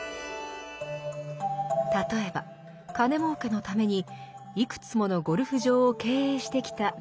例えば金もうけのためにいくつものゴルフ場を経営してきたビジネスマン。